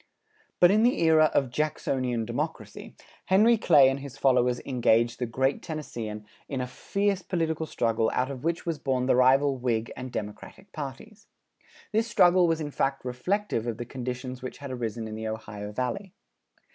But in the era of Jacksonian democracy, Henry Clay and his followers engaged the great Tennesseean in a fierce political struggle out of which was born the rival Whig and Democratic parties. This struggle was in fact reflective of the conditions which had arisen in the Ohio Valley.